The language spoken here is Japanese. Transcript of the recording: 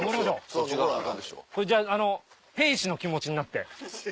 それじゃああの兵士の気持ちになって。